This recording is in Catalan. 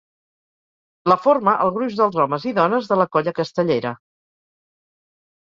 La forma el gruix dels homes i dones de la colla castellera.